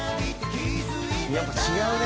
やっぱ違うね。